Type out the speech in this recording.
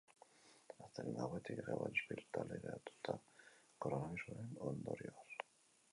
Astelehen gauetik zegoen ospitaleratuta koronabirusaren ondorioz.